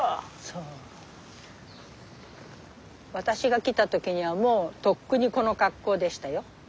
私が来た時はもうとっくにこの格好でしたよ。